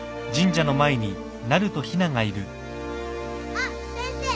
・あっ先生。